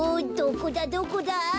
どこだどこだ！